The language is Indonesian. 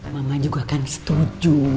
mama juga akan setuju